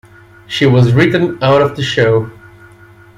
She was written out of the show.